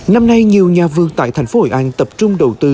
năm nay nhiều nhà vườn tại thành phố hội an tập trung đầu tư